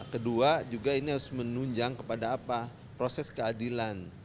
kedua juga ini harus menunjang kepada apa proses keadilan